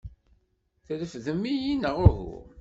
Trefdem-iyi neɣ uhu?